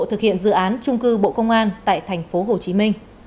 thực hiện dự án trung cư bộ công an tại tp hcm